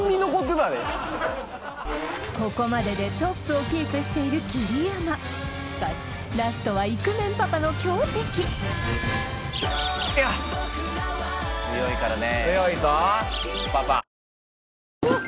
ここまででトップをキープしている桐山しかしラストはイクメンパパの強敵やっ強いからね